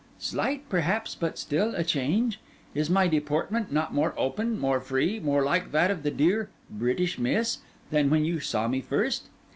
Slight, perhaps, but still a change? Is my deportment not more open, more free, more like that of the dear "British Miss" than when you saw me first?